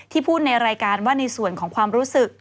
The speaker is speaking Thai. พูดในรายการว่าในส่วนของความรู้สึก